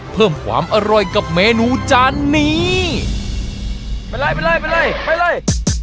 เพิ่มความอร่อยกับเมนูจานนี้เป็นไรไปเลยไปเลยไปเลย